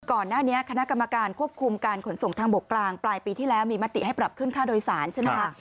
ก่อนหน้านี้คณะกรรมการควบคุมการขนส่งทางบกกลางปลายปีที่แล้วมีมติให้ปรับขึ้นค่าโดยสารใช่ไหมคะ